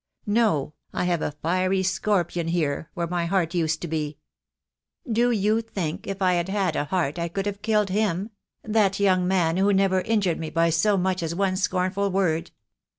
No, I have a fiery scorpion here, where my heart used to be. Do you think if I had had a heart I could have killed him — that young man who never injured me by so much as one scornful word?